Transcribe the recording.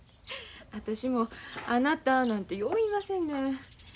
私もあなたなんてよう言いませんねん。